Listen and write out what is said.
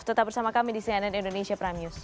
tetap bersama kami di cnn indonesia prime news